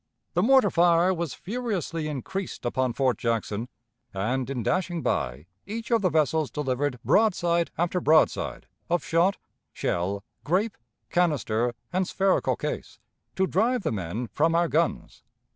The mortar fire was furiously increased upon Fort Jackson, and, in dashing by, each of the vessels delivered broadside after broadside, of shot, shell, grape, canister, and spherical case, to drive the men from our guns.